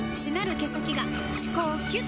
毛先が歯垢をキュッ！と落とす